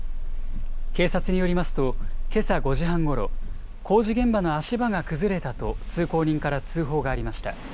警察によりますと、けさ５時半ごろ、工事現場の足場が崩れたと通行人から通報がありました。